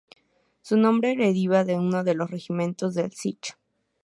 Su nombre deriva del de uno de los regimientos del Sich.